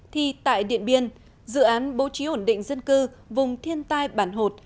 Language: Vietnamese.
thì tại điện biên dự án bố trí ổn định dân cư vùng thiên tai bản hột